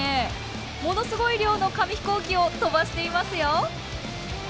ものすごい量の紙ヒコーキを飛ばしていますよ。